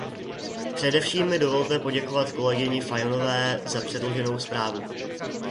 Především mi dovolte poděkovat kolegyni Fajonové za předloženou zprávu.